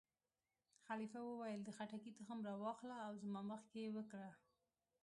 خلیفه وویل: د خټکي تخم وا اخله او زما مخکې یې وکره.